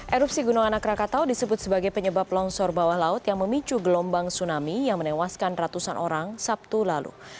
erupsi gunung anak rakatau disebut sebagai penyebab longsor bawah laut yang memicu gelombang tsunami yang menewaskan ratusan orang sabtu lalu